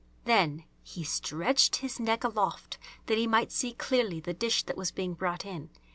Then he stretched his neck aloft, that he might see clearly the dish that was being brought in.